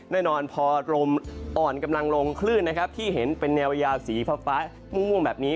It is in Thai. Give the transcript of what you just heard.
แน่นอนพอลมอ่อนกำลังลงคลื่นนะครับที่เห็นเป็นแนวยาวสีฟ้าม่วงแบบนี้